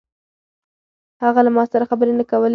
هغه له ما سره خبرې نه کولې.